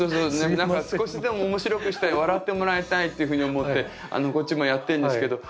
少しでも面白くしたい笑ってもらいたいっていうふうに思ってこっちもやってんですけどそうでしょうね。